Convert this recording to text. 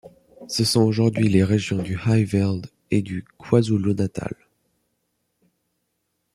Ce sont aujourd'hui les régions du Highveld et du KwaZulu-Natal.